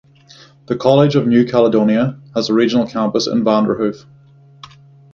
The College of New Caledonia has a regional campus in Vanderhoof.